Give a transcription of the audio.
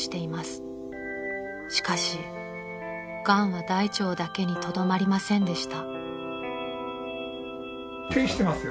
［しかしがんは大腸だけにとどまりませんでした］